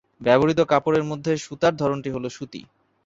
ব্যবহৃত কাপড়ের মধ্যে সুতার ধরনটি হল সুতি।